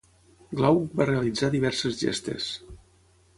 Glauc va realitzar diverses gestes.